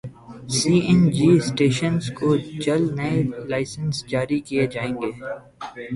سی N G stations کو جلد نئے لائسنس جاری کیے جائیں گے